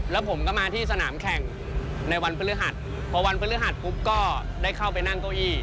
แล้วผมก็มาที่สนามแข่งในวันพฤหัสพอวันพฤหัสปุ๊บก็ได้เข้าไปนั่งเก้าอี้